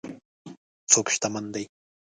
څوک شتمن دی.